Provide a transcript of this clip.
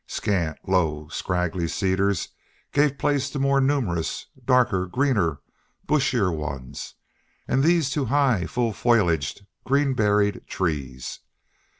Scant, low, scraggy cedars gave place to more numerous, darker, greener, bushier ones, and these to high, full foliaged, green berried trees.